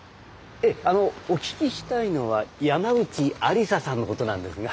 ええあのお聞きしたいのは山内愛理沙さんのことなんですが。